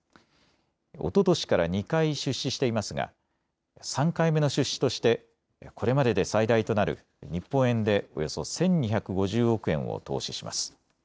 おととしから２回、出資していますが３回目の出資としてこれまでで最大となる日本円でおよそ１２５０億円を投資します。